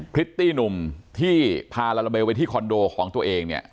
พริตตี้หนุ่มที่พาลาลาเบลไปที่คอนโดของตัวเองเนี่ย